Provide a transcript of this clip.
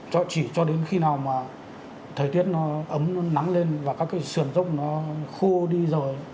cho chỉ cho đến khi nào mà thời tiết nó ấm nó nắng lên và các cái sườn dốc nó khô đi rồi